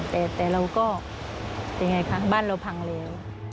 แต่เราก็บ้านเราพังแล้ว